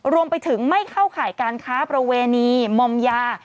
รวมไปถึงไม่เข้าข่ายการค้าประเวณีมอมยา